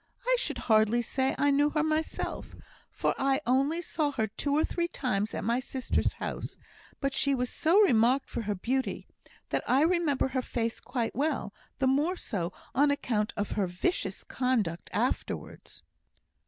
I should hardly say I knew her myself; for I only saw her two or three times at my sister's house; but she was so remarked for her beauty, that I remember her face quite well the more so, on account of her vicious conduct afterwards."